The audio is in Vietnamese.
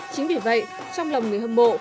chính vì vậy trong lòng người hâm mộ